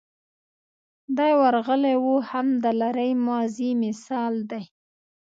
دی ورغلی و هم د لرې ماضي مثال دی.